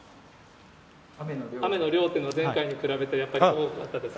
雨の量というのは前回に比べてやっぱり多かったですか？